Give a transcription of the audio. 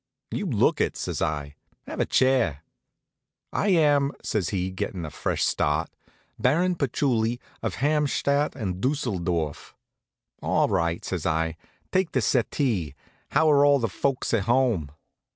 "You look it," says I. "Have a chair." "I am," says he, gettin' a fresh start, "Baron Patchouli, of Hamstadt and Düsseldorf." "All right," says I, "take the settee. How are all the folks at home?"